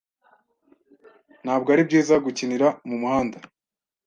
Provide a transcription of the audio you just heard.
Ntabwo ari byiza gukinira mumuhanda.